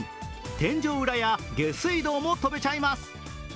天井裏や下水道も飛べちゃいます。